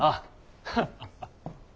ハハハ。